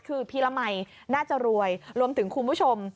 คือพีรมัยน่าจะรวยรวมถึงคุณผู้ชม